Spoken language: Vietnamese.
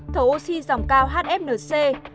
thở oxy dòng cao hfnc